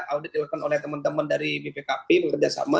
audit dilakukan oleh teman teman dari bpkp bekerja sama